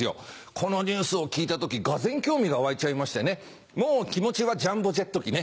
このニュースを聞いた時がぜん興味が湧いちゃいましてもう気持ちはジャンボジェット機ね。